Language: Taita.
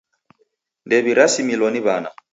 Ndew'irasimilo na w'ana.